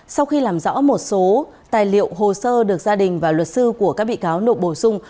sau khi làm rõ một số tài liệu hồ sơ được gia đình và luật sư của các bị cáo nộp bổ sung